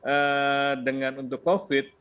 jadi sebenarnya tidak pas sekali